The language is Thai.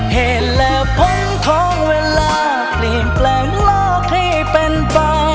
เหตุและผลของเวลาเปลี่ยนแปลงโลกให้เป็นไป